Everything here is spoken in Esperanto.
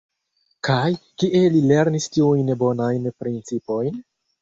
Kaj kie vi lernis tiujn bonajn principojn?